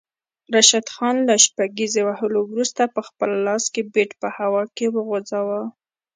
راشد خان له شپږیزې وهلو وروسته پخپل لاس کې بیټ په هوا کې وخوځاوه